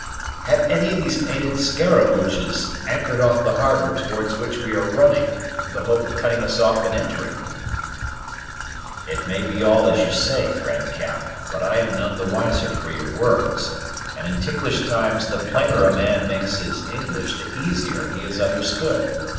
"Have any of these painted scaramouches anchored off the harbor towards which we are running, with the hope of cutting us off in entering?" "It may be all as you say, friend Cap, but I am none the wiser for your words; and in ticklish times the plainer a man makes his English the easier he is understood.